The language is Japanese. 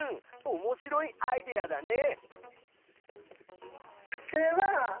おもしろいアイデアだね！